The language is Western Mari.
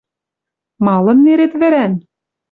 Малын нерет вӹрӓн?» —